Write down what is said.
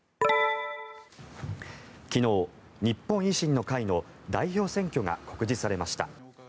昨日、日本維新の会の代表選挙が告示されました。